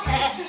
gak kan mas